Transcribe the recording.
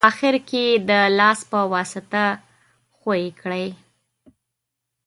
په اخیر کې یې د لاس په واسطه ښوي کړئ.